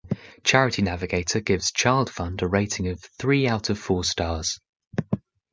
Charity Navigator gives ChildFund a rating of three out of four stars.